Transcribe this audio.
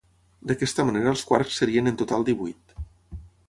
D'aquesta manera els quarks serien en total divuit.